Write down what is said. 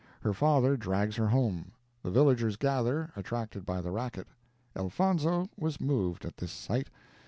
Her father drags her home. The villagers gather, attracted by the racket. Elfonzo was moved at this sight.